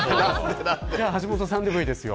橋下さんでもいいですよ。